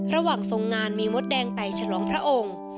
ระหว่างทรงงานมีมดแดงไต่ฉลองพระองค์